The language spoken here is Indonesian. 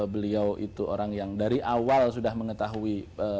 beliau itu orang yang dari awal sudah mengetahui